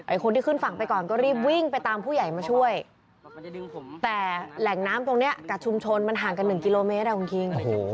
คนที่ขึ้นฝั่งไปก่อนก็รีบวิ่งไปตามผู้ใหญ่มาช่วยแต่แหล่งน้ำตรงเนี้ยกับชุมชนมันห่างกันหนึ่งกิโลเมตรอ่ะคุณคิง